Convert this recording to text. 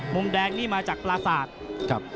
มุมแดงนี่มาจากปราศาสตร์ครับ